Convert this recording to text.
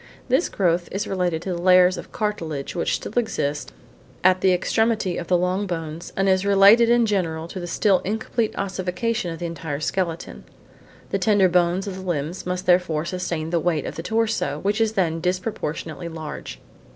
This growth is related to the layers of cartilage which still exist at the extremity of the long bones and is related in general to the still incomplete ossification of the entire skeleton. The tender bones of the limbs must therefore sustain the weight of the torso which is then disproportionately large.